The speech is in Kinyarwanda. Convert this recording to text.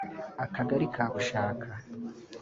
Akagari ka Bushaka